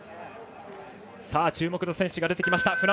注目の選手が出てきました。